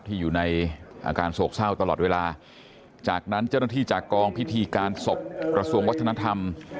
อยู่ในอาการโศกเศร้าตลอดเวลาจากนั้นเจ้าหน้าที่จากกองพิธีการศพกระทรวงวัฒนธรรม